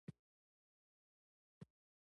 هغوی ژمنه کړې وه چې لګښت په توګه ورکوي.